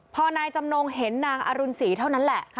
พอนายจำนงเห็นนางอรุณศรีเท่านั้นแหละ